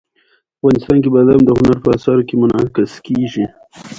افغانستان کې بادام د هنر په اثار کې منعکس کېږي.